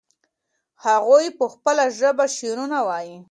هغوی په خپله ژبه شعرونه وایي.